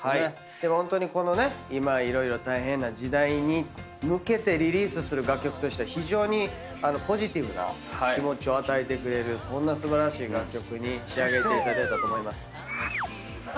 でもホントにこのね今いろいろ大変な時代に向けてリリースする楽曲としては非常にポジティブな気持ちを与えてくれるそんな素晴らしい楽曲に仕上げていただいたと思います。